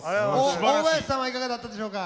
大林さんはいかがだったでしょうか？